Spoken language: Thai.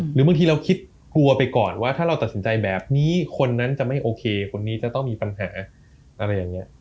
หรือบางทีเราคิดกลัวไปก่อนว่าถ้าเราตัดสินใจแบบนี้คนนั้นจะไม่โอเคคนนี้จะต้องมีปัญหาอะไรอย่างนี้